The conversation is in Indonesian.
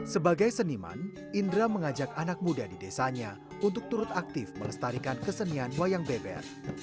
sebagai seniman indra mengajak anak muda di desanya untuk turut aktif melestarikan kesenian wayang beber